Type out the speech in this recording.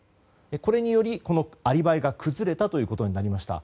これによりアリバイが崩れたことになりました。